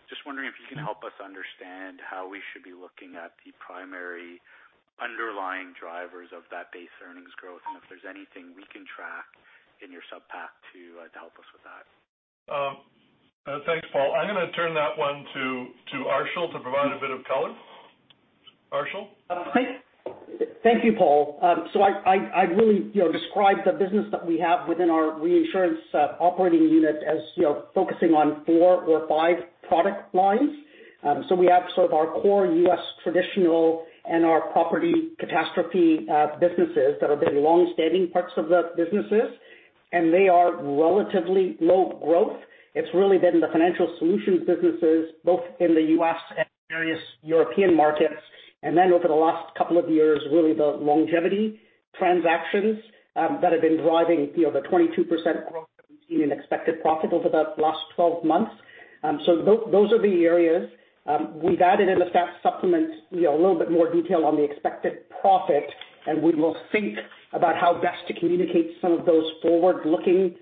Just wondering if you can help us understand how we should be looking at the primary underlying drivers of that base earnings growth, and if there's anything we can track in your sub-pack to help us with that. Thanks, Paul. I'm going to turn that one to Arshil to provide a bit of color. Arshil? Thank you, Paul. I'd really describe the business that we have within our reinsurance operating unit as focusing on four or five product lines. We have sort of our core U.S. traditional and our property catastrophe businesses that have been longstanding parts of the businesses, and they are relatively low growth. It's really been the financial solutions businesses, both in the U.S. and various European markets, and then over the last couple of years, really the longevity transactions that have been driving the 22% growth that we've seen in expected profit over the last 12 months. Those are the areas. We've added in the stats supplement a little bit more detail on the expected profit. We will think about how best to communicate some of those forward-looking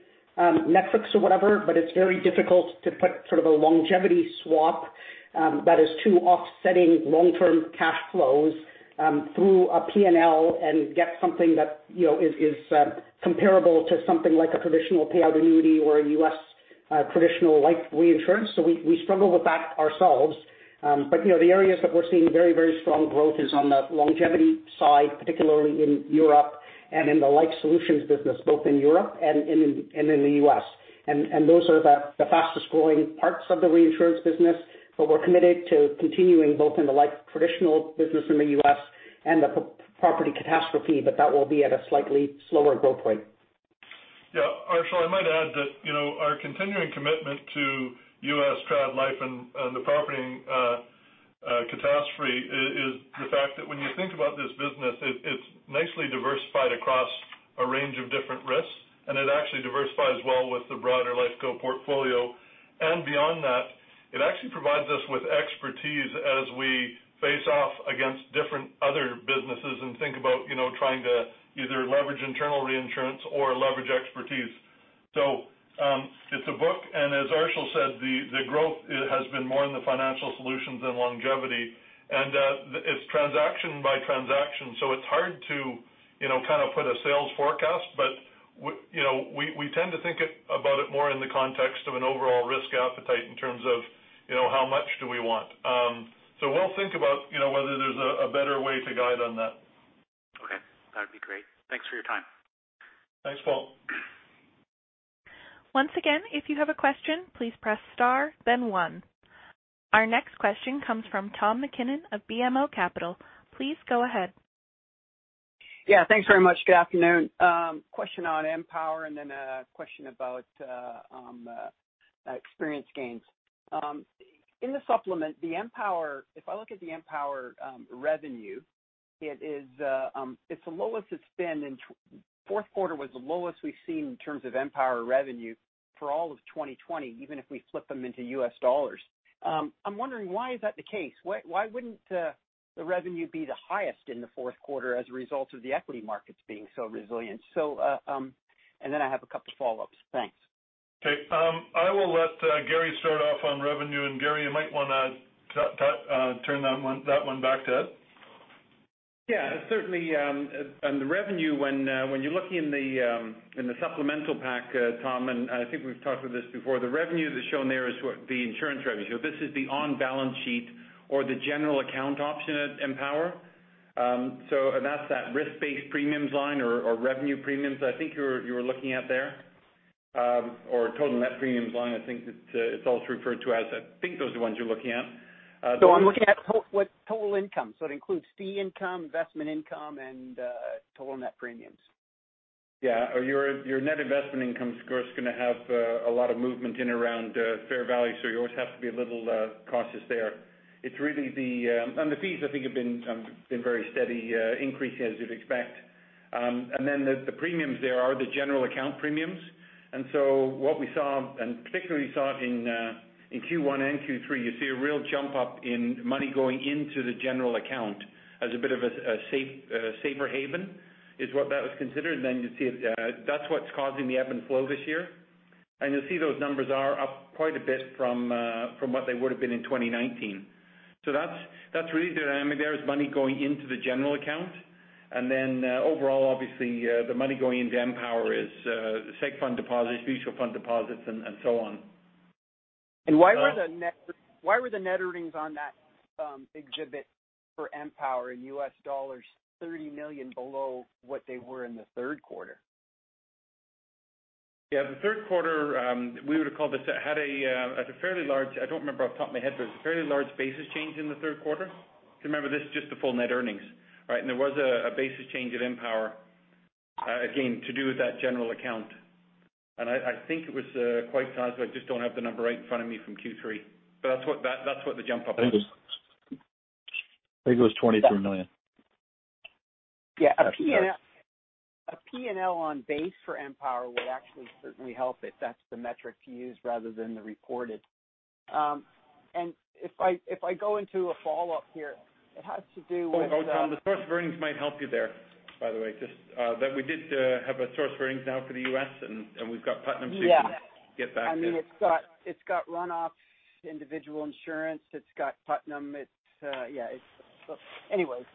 metrics or whatever, but it's very difficult to put sort of a longevity swap that is too offsetting long-term cash flows through a P&L and get something that is comparable to something like a traditional payout annuity or a U.S. traditional life reinsurance. We struggle with that ourselves. The areas that we're seeing very strong growth is on the longevity side, particularly in Europe and in the life solutions business, both in Europe and in the U.S. Those are the fastest-growing parts of the reinsurance business. We're committed to continuing both in the life traditional business in the U.S. and the property catastrophe, but that will be at a slightly slower growth rate. Yeah. Arshil, I might add that our continuing commitment to U.S. trad life and the property catastrophe is the fact that when you think about this business, it's nicely diversified across a range of different risks, and it actually diversifies well with the broader Lifeco portfolio. Beyond that, it actually provides us with expertise as we face off against different other businesses and think about trying to either leverage internal reinsurance or leverage expertise. It's a book, as Arshil said, the growth has been more in the financial solutions than longevity, and it's transaction by transaction. It's hard to kind of put a sales forecast, but we tend to think about it more in the context of an overall risk appetite in terms of how much do we want. We'll think about whether there's a better way to guide on that. Okay. That'd be great. Thanks for your time. Thanks, Paul. Once again, if you have a question, please press star then one. Our next question comes from Tom MacKinnon of BMO Capital. Please go ahead. Thanks very much. Good afternoon. Question on Empower and then a question about experience gains. In the supplement, if I look at the Empower revenue, fourth quarter was the lowest we've seen in terms of Empower revenue for all of 2020, even if we flip them into U.S. dollars. I'm wondering, why is that the case? Why wouldn't the revenue be the highest in the fourth quarter as a result of the equity markets being so resilient? Then I have a couple follow-ups. Thanks. Okay. I will let Garry start off on revenue. Garry, you might want to turn that one back to Ed. Yeah, certainly. On the revenue, when you look in the supplemental pack, Tom, and I think we've talked about this before, the revenue that's shown there is the insurance revenue. This is the on-balance sheet or the general account option at Empower. That's that risk-based premiums line or revenue premiums that I think you were looking at there, or total net premiums line, I think it's also referred to as. I think those are the ones you're looking at. I'm looking at total income. It includes fee income, investment income, and total net premiums. Yeah. Your net investment income, of course, is going to have a lot of movement in around fair value, so you always have to be a little cautious there. The fees I think have been very steady, increasing as you'd expect. The premiums there are the general account premiums. What we saw, and particularly saw it in Q1 and Q3, you see a real jump up in money going into the general account as a bit of a safer haven, is what that was considered. That's what's causing the ebb and flow this year. You'll see those numbers are up quite a bit from what they would have been in 2019. That's really the dynamic there, is money going into the general account. Overall, obviously, the money going into Empower is the seg fund deposits, mutual fund deposits, and so on. Why were the net earnings on that exhibit for Empower in US dollars, $30 million below what they were in the third quarter? Yeah, the third quarter had a fairly large, I don't remember off the top of my head, but it was a fairly large basis change in the third quarter. Remember, this is just the full net earnings, right? There was a basis change at Empower, again, to do with that general account. I think it was quite sizable. I just don't have the number right in front of me from Q3. That's what the jump up is. I think it was 22 million. Yeah. A P&L on base for Empower would actually certainly help if that's the metric to use rather than the reported. Oh, Tom, the source of earnings might help you there, by the way. We did have a source of earnings now for the U.S., and we've got Putnam. Yeah You can get back to it. It's got run-offs, individual insurance, it's got Putnam. Anyways.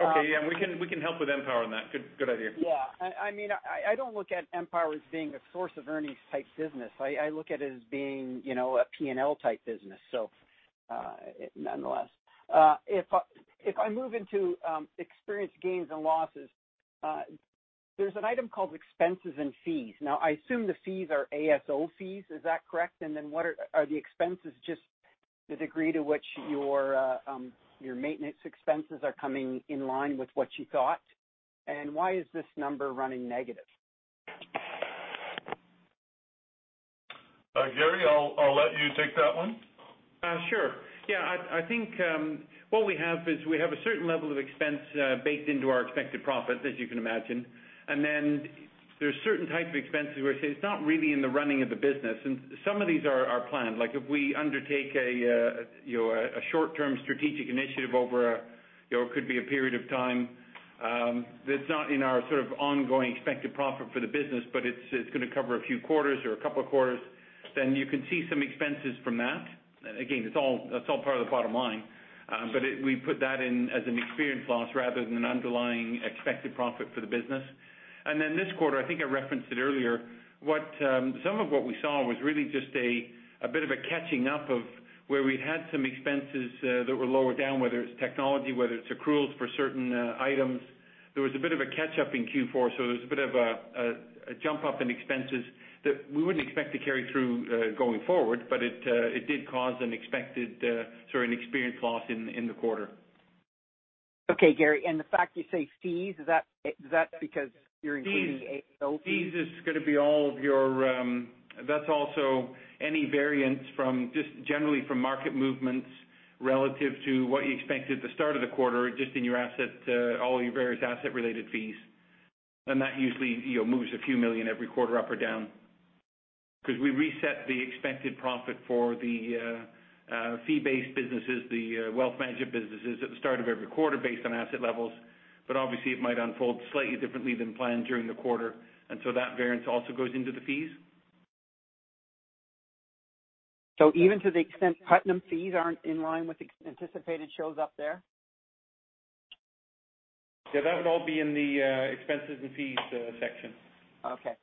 Okay. Yeah, we can help with Empower on that. Good idea. Yeah. I don't look at Empower as being a source of earnings type business. I look at it as being a P&L type business. Nonetheless. If I move into experience gains and losses, there's an item called expenses and fees. I assume the fees are ASO fees. Is that correct? Are the expenses just the degree to which your maintenance expenses are coming in line with what you thought? Why is this number running negative? Garry, I'll let you take that one. Sure. I think what we have is we have a certain level of expense baked into our expected profit, as you can imagine. Then there's certain types of expenses where, say, it's not really in the running of the business, and some of these are planned. Like if we undertake a short-term strategic initiative over a period of time that's not in our sort of ongoing expected profit for the business, but it's going to cover a few quarters or a couple of quarters, then you can see some expenses from that. Again, that's all part of the bottom line. We put that in as an experience loss rather than an underlying expected profit for the business. This quarter, I think I referenced it earlier, some of what we saw was really just a bit of a catching up of where we had some expenses that were lower down, whether it's technology, whether it's accruals for certain items. There was a bit of a catch-up in Q4, so there was a bit of a jump up in expenses that we wouldn't expect to carry through going forward, but it did cause an expected sort of an experience loss in the quarter. Okay, Garry. The fact you say fees, is that because you're including ASO fees? That's also any variance just generally from market movements relative to what you expected at the start of the quarter, just in all your various asset-related fees. That usually moves a few million every quarter up or down. We reset the expected profit for the fee-based businesses, the wealth management businesses, at the start of every quarter based on asset levels. Obviously, it might unfold slightly differently than planned during the quarter, and so that variance also goes into the fees. Even to the extent Putnam fees aren't in line with anticipated shows up there? Yeah, that would all be in the expenses and fees section. Okay.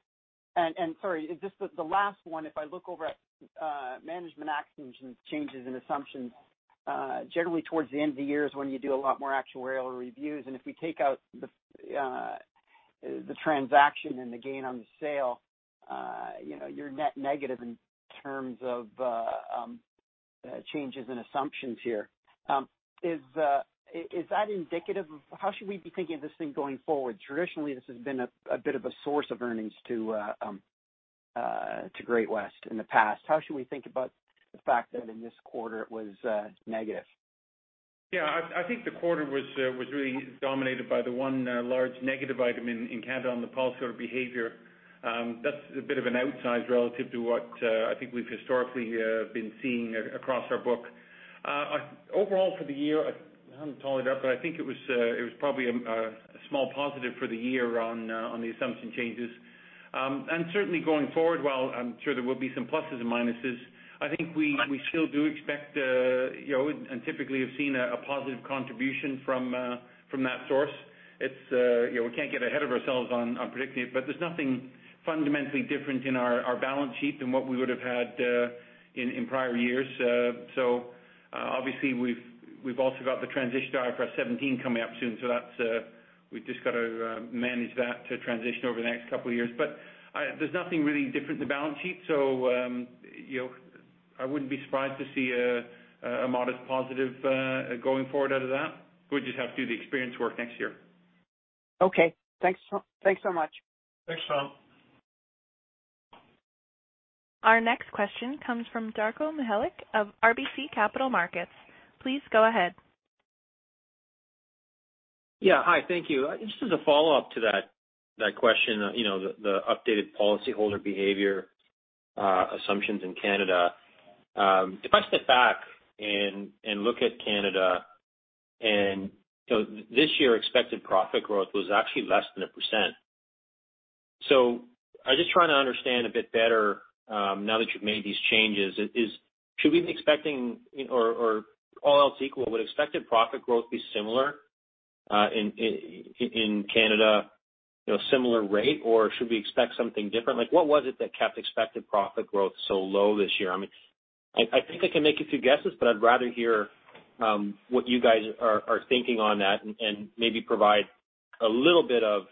Sorry, the last one, if I look over at management actions and changes in assumptions. Generally towards the end of the year is when you do a lot more actuarial reviews, and if we take out the transaction and the gain on the sale, you're net negative in terms of changes in assumptions here. How should we be thinking of this thing going forward? Traditionally, this has been a bit of a source of earnings to Great-West in the past. How should we think about the fact that in this quarter it was negative? Yeah, I think the quarter was really dominated by the one large negative item in Canada on the policyholder behavior. That's a bit of an outsize relative to what I think we've historically been seeing across our book. For the year, I haven't tallied it up, but I think it was probably a small positive for the year on the assumption changes. Certainly going forward, while I'm sure there will be some pluses and minuses, I think we still do expect, and typically have seen a positive contribution from that source. We can't get ahead of ourselves on predicting it, there's nothing fundamentally different in our balance sheet than what we would have had in prior years. Obviously we've also got the transition to IFRS 17 coming up soon, we've just got to manage that to transition over the next couple of years. There's nothing really different in the balance sheet. I wouldn't be surprised to see a modest positive going forward out of that. We just have to do the experience work next year. Okay. Thanks so much. Thanks, Tom. Our next question comes from Darko Mihelic of RBC Capital Markets. Please go ahead. Yeah. Hi, thank you. Just as a follow-up to that question, the updated policyholder behavior assumptions in Canada. If I step back and look at Canada, this year expected profit growth was actually less than 1%. I'm just trying to understand a bit better now that you've made these changes. All else equal, would expected profit growth be similar in Canada, similar rate, or should we expect something different? What was it that kept expected profit growth so low this year? I think I can make a few guesses, but I'd rather hear what you guys are thinking on that, and maybe provide a little bit of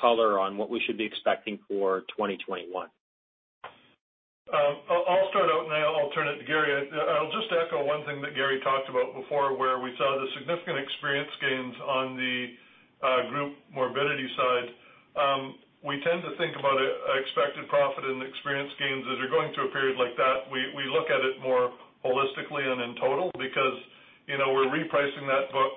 color on what we should be expecting for 2021. I'll start out, and then I'll turn it to Garry. I'll just echo one thing that Garry talked about before, where we saw the significant experience gains on the group morbidity side. We tend to think about expected profit and experience gains as you're going through a period like that. We look at it more holistically and in total because we're repricing that book.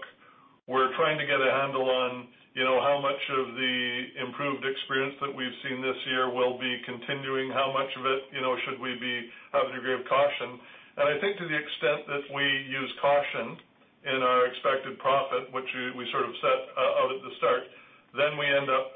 We're trying to get a handle on how much of the improved experience that we've seen this year will be continuing, how much of it should we have a degree of caution. I think to the extent that we use caution in our expected profit, which we sort of set out at the start, then we end up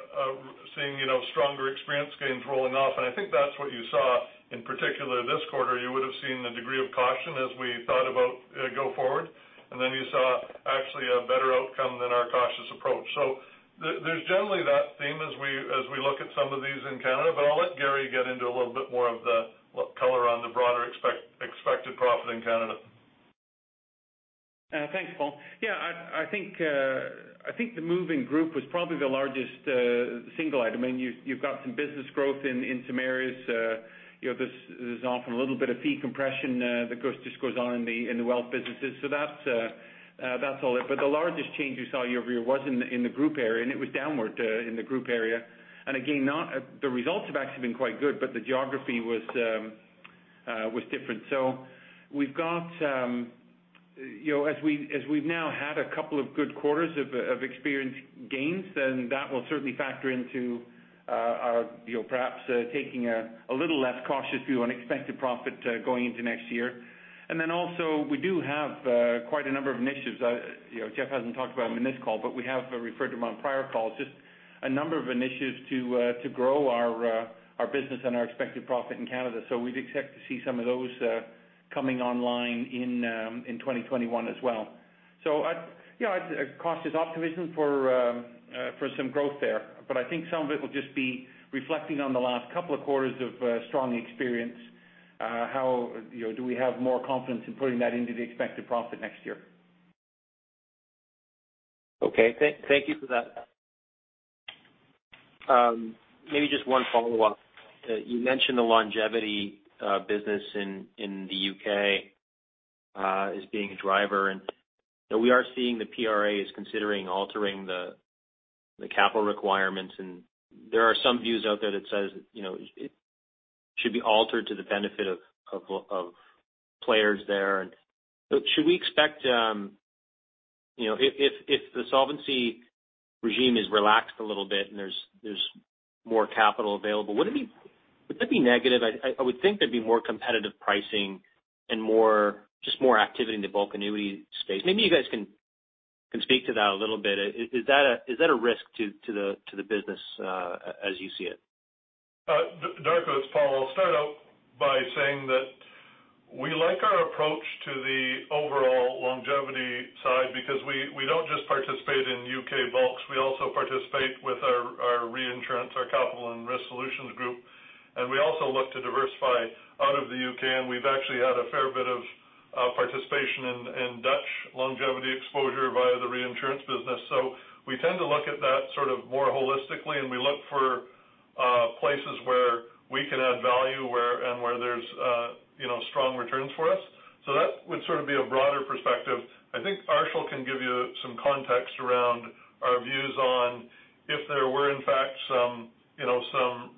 seeing stronger experience gains rolling off. I think that's what you saw in particular this quarter. You would have seen the degree of caution as we thought about go forward, and then you saw actually a better outcome than our cautious approach. There's generally that theme as we look at some of these in Canada. I'll let Garry get into a little bit more of the color on the broader expected profit in Canada. Thanks, Paul. Yeah, I think the move in group was probably the largest single item. You've got some business growth in some areas. There's often a little bit of fee compression that just goes on in the wealth businesses. That's all it. The largest change you saw year-over-year was in the group area, and it was downward in the group area. Again, the results have actually been quite good, but the geography was different. As we've now had a couple of good quarters of experience gains, then that will certainly factor into perhaps taking a little less cautious view on expected profit going into next year. We do have quite a number of initiatives. Jeff hasn't talked about them in this call, but we have referred to them on prior calls. Just a number of initiatives to grow our business and our expected profit in Canada. We'd expect to see some of those coming online in 2021 as well. Cautious optimism for some growth there, but I think some of it will just be reflecting on the last couple of quarters of strong experience. Do we have more confidence in putting that into the expected profit next year? Okay. Thank you for that. Maybe just one follow-up. You mentioned the longevity business in the U.K. as being a driver, and we are seeing the PRA is considering altering the capital requirements, and there are some views out there that says it should be altered to the benefit of players there. If the solvency regime is relaxed a little bit and there's more capital available, would that be negative? I would think there'd be more competitive pricing and just more activity in the bulk annuity space. Maybe you guys can speak to that a little bit. Is that a risk to the business as you see it? Darko, it's Paul. I'll start out by saying that we like our approach to the overall longevity side because we don't just participate in U.K. bulks. We also participate with our reinsurance, our Capital and Risk Solutions group. We also look to diversify out of the U.K., and we've actually had a fair bit of participation in Dutch longevity exposure via the reinsurance business. We tend to look at that sort of more holistically, and we look for places where we can add value and where there's strong returns for us. That would sort of be a broader perspective. I think Arshil can give you some context around our views on if there were, in fact, some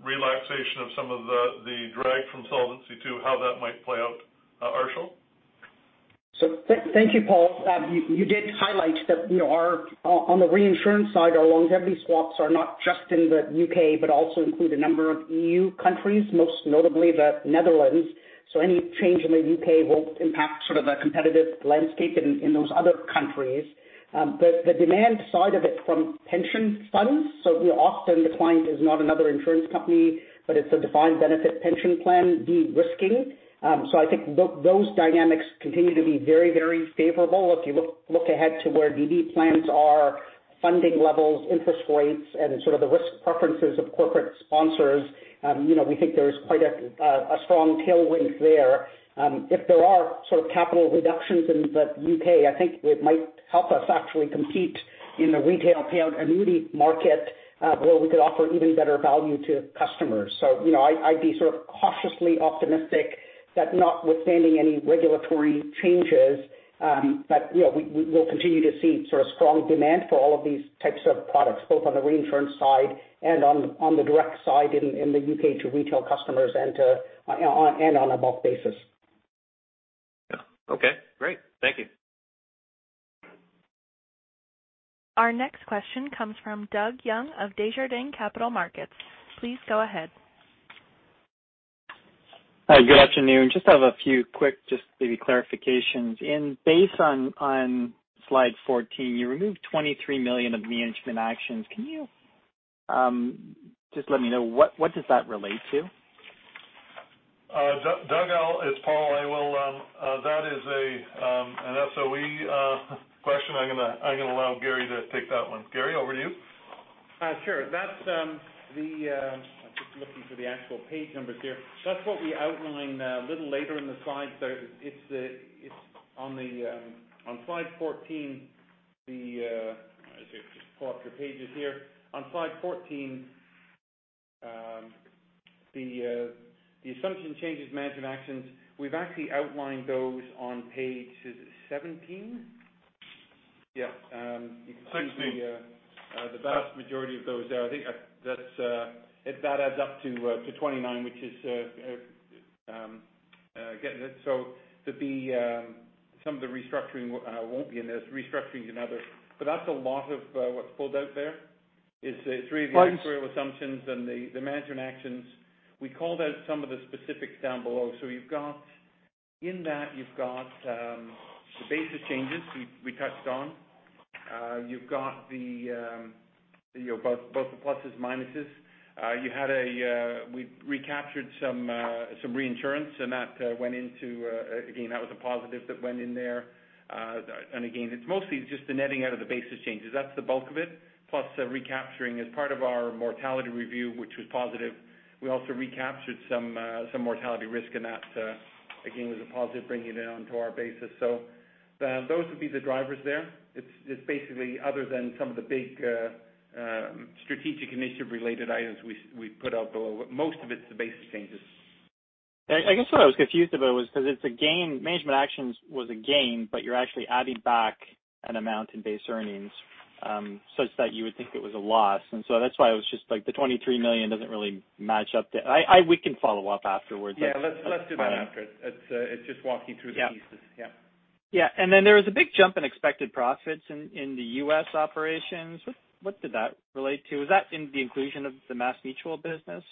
relaxation of some of the drag from Solvency II, how that might play out. Arshil? Thank you, Paul. You did highlight that on the reinsurance side, our longevity swaps are not just in the U.K. but also include a number of E.U. countries, most notably the Netherlands. The demand side of it from pension funds, so often the client is not another insurance company, but it's a defined benefit pension plan de-risking. I think those dynamics continue to be very, very favorable. If you look ahead to where DB plans are, funding levels, interest rates, and sort of the risk preferences of corporate sponsors, we think there's quite a strong tailwind there. If there are sort of capital reductions in the U.K., I think it might help us actually compete in the retail payout annuity market where we could offer even better value to customers. I'd be sort of cautiously optimistic that notwithstanding any regulatory changes, that we'll continue to see sort of strong demand for all of these types of products, both on the reinsurance side and on the direct side in the UK to retail customers and on a bulk basis. Yeah. Okay. Great. Thank you. Our next question comes from Doug Young of Desjardins Capital Markets. Please go ahead. Hi. Good afternoon. Just have a few quick maybe clarifications. Based on slide 14, you removed 23 million of management actions. Can you just let me know what does that relate to? Doug, it's Paul. That is an SOE question. I'm going to allow Garry to take that one. Garry, over to you. Sure. I'm just looking for the actual page numbers here. That's what we outline a little later in the slides. Just pull up your pages here. On slide 14, the assumption changes management actions, we've actually outlined those on page 17. Yeah. 16. The vast majority of those there. I think that adds up to 29. Some of the restructuring won't be in this. Restructuring is another. That's a lot of what's pulled out there is three. Right actuarial assumptions and the management actions. We called out some of the specifics down below. In that, you've got the basis changes we touched on. You've got both the pluses, minuses. We recaptured some reinsurance and again, that was a positive that went in there. Again, it's mostly just the netting out of the basis changes. That's the bulk of it, plus the recapturing as part of our mortality review, which was positive. We also recaptured some mortality risk, and that, again, was a positive bringing it onto our basis. Those would be the drivers there. It's basically other than some of the big strategic initiative related items we put out below it. Most of it's the basis changes. I guess what I was confused about was because management actions was a gain, but you're actually adding back an amount in base earnings such that you would think it was a loss. That's why I was just like the 23 million doesn't really match up to. We can follow up afterwards. Yeah, let's do that after. It's just walking through the pieces. Yeah. Yeah. Yeah. There was a big jump in expected profits in the U.S. operations. What did that relate to? Was that in the inclusion of the MassMutual business?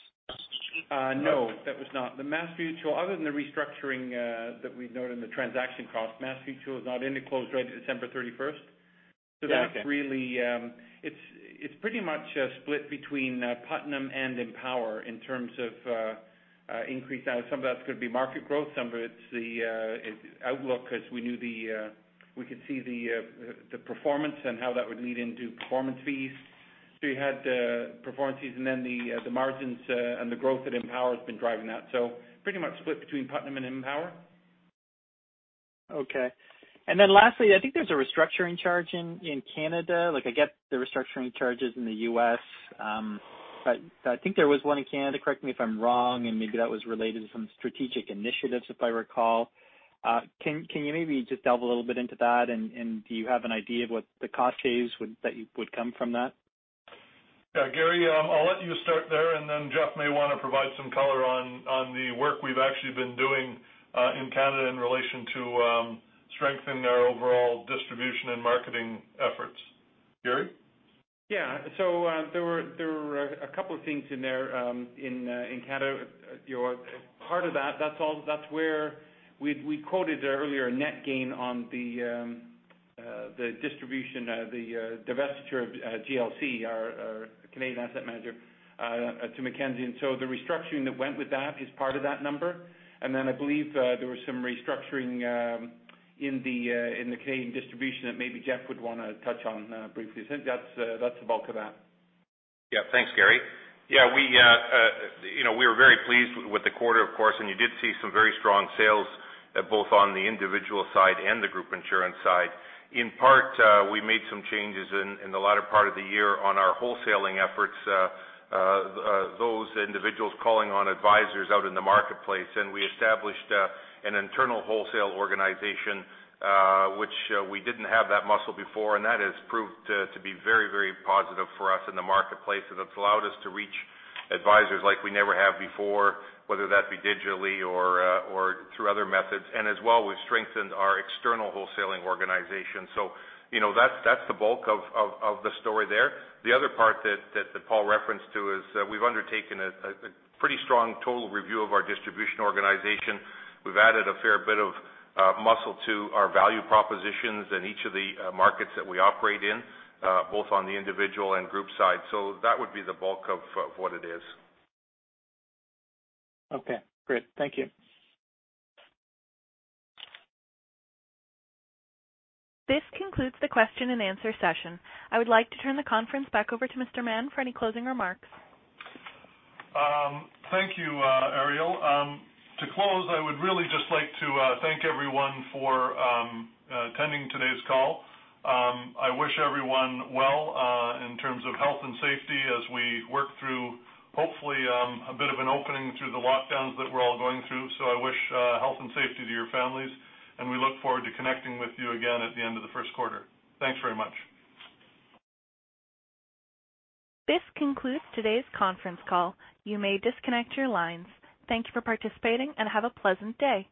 No, that was not. Other than the restructuring that we've noted in the transaction cost, MassMutual is not in. It closed right December 31st. Okay. It's pretty much split between Putnam and Empower in terms of increase. Now, some of that's going to be market growth, some of it's the outlook because we could see the performance and how that would lead into performance fees. You had performance fees and then the margins and the growth that Empower has been driving that. Pretty much split between Putnam and Empower. Okay. Lastly, I think there's a restructuring charge in Canada. I get the restructuring charges in the U.S. I think there was one in Canada. Correct me if I'm wrong, maybe that was related to some strategic initiatives, if I recall. Can you maybe just delve a little bit into that, do you have an idea of what the cost saves that would come from that? Yeah, Garry, I'll let you start there, and then Jeff may want to provide some color on the work we've actually been doing in Canada in relation to strengthen our overall distribution and marketing efforts. Garry? There were a couple of things in there in Canada. Part of that's where we quoted earlier a net gain on the distribution, the divestiture of GLC, our Canadian asset manager to Mackenzie. The restructuring that went with that is part of that number. I believe there were some restructuring in the Canadian distribution that maybe Jeff would want to touch on briefly. I think that's the bulk of that. Yeah. Thanks, Garry. We are very pleased with the quarter, of course. You did see some very strong sales, both on the individual side and the group insurance side. In part, we made some changes in the latter part of the year on our wholesaling efforts, those individuals calling on advisors out in the marketplace. We established an internal wholesale organization, which we didn't have that muscle before. That has proved to be very positive for us in the marketplace. It's allowed us to reach advisors like we never have before, whether that be digitally or through other methods. As well, we've strengthened our external wholesaling organization. That's the bulk of the story there. The other part that Paul referenced to is we've undertaken a pretty strong total review of our distribution organization. We've added a fair bit of muscle to our value propositions in each of the markets that we operate in, both on the individual and group side. That would be the bulk of what it is. Okay, great. Thank you. This concludes the question and answer session. I would like to turn the conference back over to Mr. Mahon for any closing remarks. Thank you, Ariel. To close, I would really just like to thank everyone for attending today's call. I wish everyone well in terms of health and safety as we work through, hopefully, a bit of an opening through the lockdowns that we're all going through. I wish health and safety to your families, and we look forward to connecting with you again at the end of the first quarter. Thanks very much. This concludes today's conference call. You may disconnect your lines. Thank you for participating and have a pleasant day.